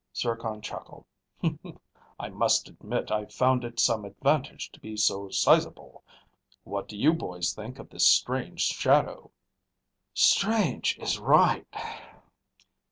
Zircon chuckled. "I must admit I've found it some advantage to be so sizable. What do you boys think of this strange shadow?" "Strange is right."